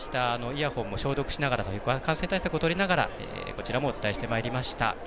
イヤホンも消毒して感染対策をしながらこちらもお伝えしてまいりました。